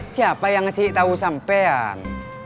siapa yang kasih tau sampean